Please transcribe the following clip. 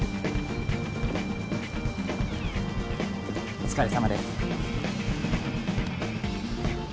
お疲れさまです。